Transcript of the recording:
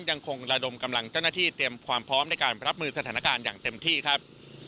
ยังคงระดมกำลังเจ้าหน้าที่เตรียมความพร้อมในการรับมือสถานการณ์อย่างเต็มที่ครับ